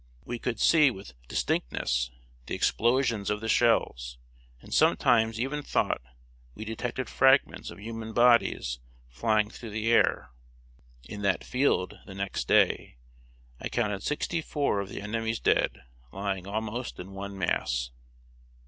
We could see with distinctness the explosions of the shells, and sometimes even thought we detected fragments of human bodies flying through the air. In that field, the next day, I counted sixty four of the enemy's dead, lying almost in one mass.